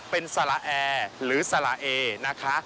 เป็นสละแอร์หรือสละเอนะคะ